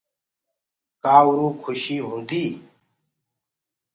ڪآ اُروئو کُشي هوندي ئي